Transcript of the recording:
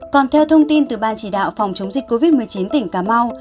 còn theo thông tin từ ban chỉ đạo phòng chống dịch covid một mươi chín tỉnh cà mau